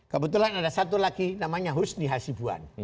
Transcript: kebetulan ada satu lagi namanya husni hasibuan